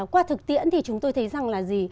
qua thực tiễn thì chúng tôi thấy rằng là